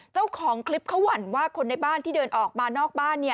เจ้าของคลิปเขาหวั่นว่าคนในบ้านที่เดินออกมานอกบ้าน